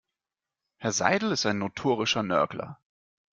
Herr Seidel ist ein notorischer Nörgler.